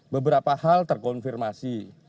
beberapa hal terkonfirmasi